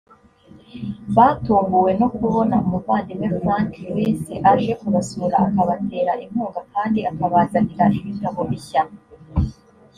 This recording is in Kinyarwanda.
batunguwe no kubona umuvandimwe frank rice aje kubasura akabatera inkunga kandi akabazanira ibitabo bishya